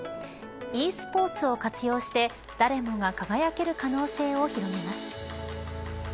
ｅスポーツを活用して誰もが輝ける可能性を広げます。